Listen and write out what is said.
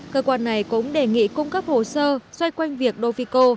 cơ quan này cũng đề nghị cung cấp hồ sơ xoay quanh việc dofico